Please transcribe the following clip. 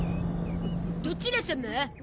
どちら様？